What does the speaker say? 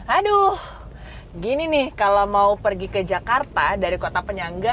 aduh gini nih kalau mau pergi ke jakarta dari kota penyangga